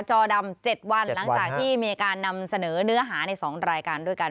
จอดำ๗วันหลังจากที่มีการนำเสนอเนื้อหาใน๒รายการด้วยกัน